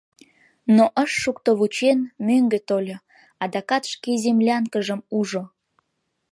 Но ыш шукто вучен, мӧҥгӧ тольо, Адакат шке землянкыжым ужо;